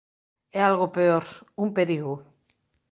É algo peor: un perigo.